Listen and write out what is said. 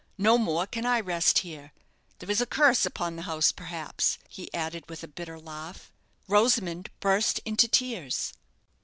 No more can I rest here. There is a curse upon the house, perhaps," he added, with a bitter laugh. Rosamond burst into tears.